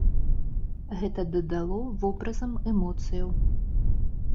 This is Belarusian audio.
Гэта дадало вобразам эмоцыяў.